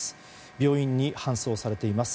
病院に搬送されています。